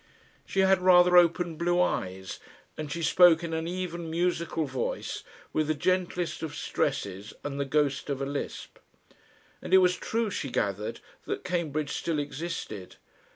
She had rather open blue eyes, and she spoke in an even musical voice with the gentlest of stresses and the ghost of a lisp. And it was true, she gathered, that Cambridge still existed.